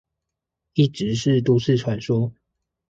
一直是都市傳說